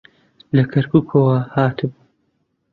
لە کەرکووکەوە هاتبوو.